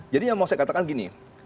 jadi yang mau saya katakan gini